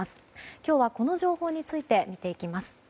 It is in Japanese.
今日は、この情報について見ていきます。